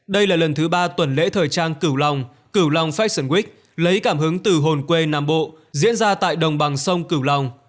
đây là lần thứ ba tuần lễ thời trang cửu long cửu long fashion wick lấy cảm hứng từ hồn quê nam bộ diễn ra tại đồng bằng sông cửu long